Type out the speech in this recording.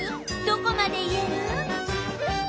どこまで言える？